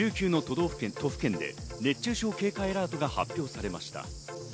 １９の都府県で熱中症警戒アラートが発表されました。